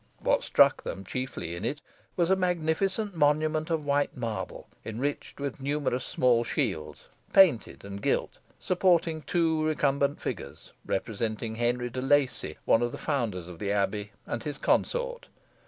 What struck them chiefly in it was a magnificent monument of white marble, enriched with numerous small shields, painted and gilt, supporting two recumbent figures, representing Henry de Lacy, one of the founders of the Abbey, and his consort.